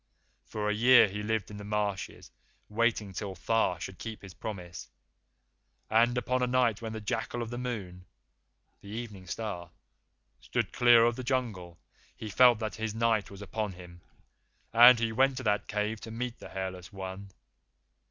For a year he lived in the marshes waiting till Tha should keep his promise. And upon a night when the jackal of the Moon [the Evening Star] stood clear of the Jungle, he felt that his Night was upon him, and he went to that cave to meet the Hairless One.